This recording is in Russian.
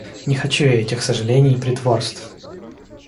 Не хочу я этих сожалений и притворств!